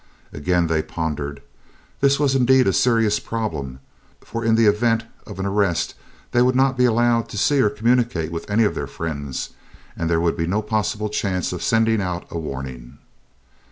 Again they pondered. This was indeed a serious problem, for in the event of an arrest they would not be allowed to see or communicate with any of their friends, and there would be no possible chance of sending out a warning.